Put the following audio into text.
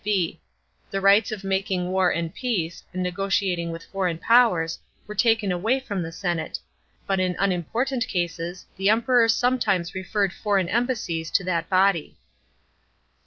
b. The rights of making war and peace, and negotiating with foreign powers, were taken away from the senate; but in unim portant cases the Emperor sometimes referred foreign embassies to that body.